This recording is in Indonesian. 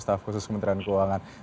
staf khusus kementerian keuangan